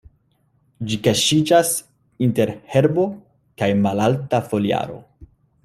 Ĝi kaŝiĝas inter herbo kaj malalta foliaro.